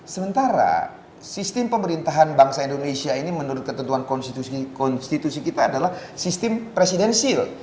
sementara sistem pemerintahan bangsa indonesia ini menurut ketentuan konstitusi kita adalah sistem presidensil